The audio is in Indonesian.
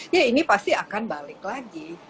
ya ini pasti akan balik lagi